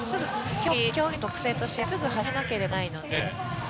競技の特性としてすぐ始めなければいけないので